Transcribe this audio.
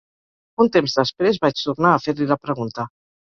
Un temps després vaig tornar a fer-li la pregunta.